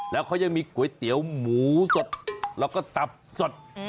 แล้วเขายังมีก๋วยเตี๋ยวหมูสดแล้วก็ตับสด